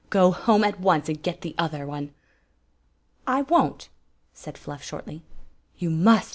Go home at once and get the other one!" " I won't," said Fluff, shordy. "You must!